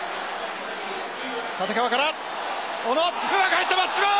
立川から小野うまく入った松島！